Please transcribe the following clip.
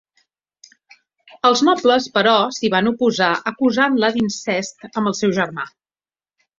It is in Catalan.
Els nobles però, s'hi van oposar acusant-la d'incest amb el seu germà.